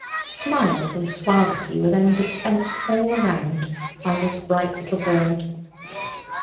Smiles and suavity were then dispensed all around by this bright little bird.